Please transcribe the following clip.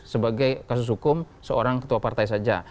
sebagai kasus hukum seorang ketua partai saja